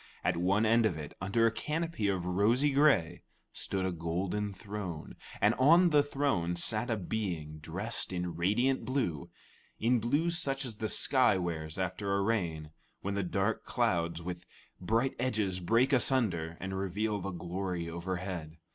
At one end of it, under a canopy of rosy gray, stood a golden throne, and on the throne sat a being dressed in radiant blue in blue such as the sky wears after a rain, when the dark clouds with bright edges break asunder and reveal the glory overhead.